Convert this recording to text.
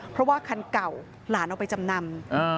เพราะว่าคันเก่าหลานเอาไปจำนำ